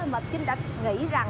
mà trinh đã nghĩ rằng